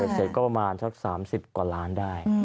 เสร็จก็ประมาณสัก๓๐กว่าล้านได้